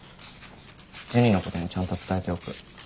ジュニのこともちゃんと伝えておく。